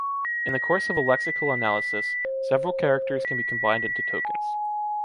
In the course of a lexical analysis, several characters can be combined into tokens.